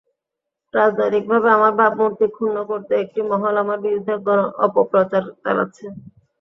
রাজনৈতিকভাবে আমার ভাবমূর্তি ক্ষুণ্ন করতে একটি মহল আমার বিরুদ্ধে অপপ্রচার চালাচ্ছে।